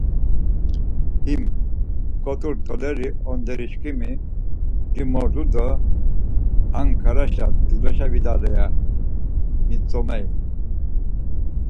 Him got̆urt̆oleri Onderişǩimi dimordu do Anǩaraşa dulyaşa vidare, ya mitzomey.